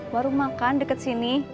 warung makan deket sini